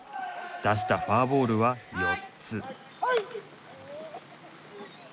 出したフォアボールは４つ。